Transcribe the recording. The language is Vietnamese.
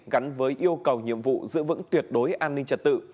gắn với yêu cầu nhiệm vụ giữ vững tuyệt đối an ninh trật tự